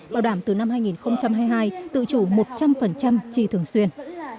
bảo đảm từ năm hai nghìn hai mươi hai tự chủ một trăm linh chi thường xuyên